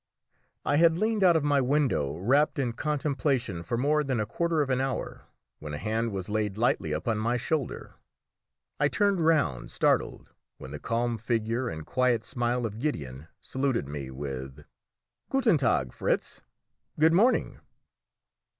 I had leaned out of my window rapt in contemplation for more than a quarter of an hour when a hand was laid lightly upon my shoulder; I turned round startled, when the calm figure and quiet smile of Gideon saluted me with "Guten Tag, Fritz! Good morning!"